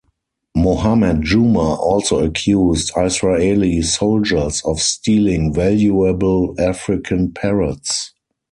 Mohammed Juma also accused Israeli soldiers of stealing valuable African parrots.